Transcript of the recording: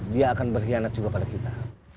dia akan berkhianat juga pada kita